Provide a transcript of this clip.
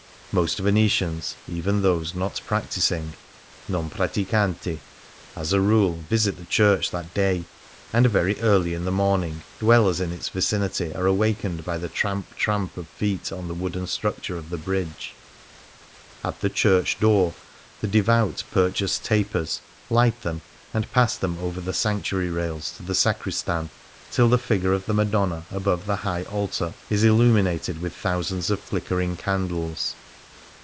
Most Venetians — even those not " practising " (no7i pratticanti) — as a rule, visit the church that day ; and very early in the morning dwellers in its vicinity are awakened by the tramp, tramp of feet on the wooden structure of the bridge. At the church 124 Fasts and Festivals door the devout purchase tapers, light them, and pass them over the sanctuary rails to the sacristan, till the figure of the Madonna above the Hiffh Altar is illuminated with thousands of flickering candles.